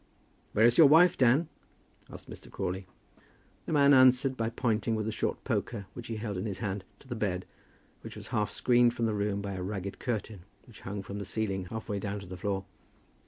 "Where is your wife, Dan?" asked Mr. Crawley. The man answered by pointing with a short poker, which he held in his hand, to the bed, which was half screened from the room by a ragged curtain, which hung from the ceiling half way down to the floor.